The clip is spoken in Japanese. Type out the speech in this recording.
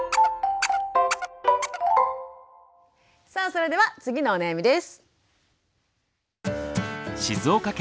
さあそれでは次のお悩みです。